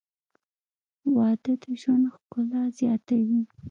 • واده د ژوند ښکلا زیاتوي.